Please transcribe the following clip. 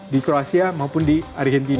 di kroasia maupun di argentina